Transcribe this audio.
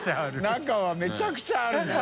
中はめちゃくちゃあるな。